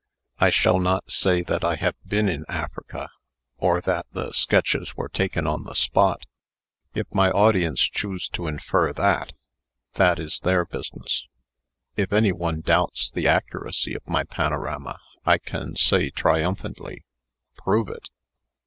I shall not say that I have been in Africa, or that the sketches were taken on the spot. If my audience choose to infer that, that is their business. If any one doubts the accuracy of my panorama, I can say triumphantly, 'Prove it!'"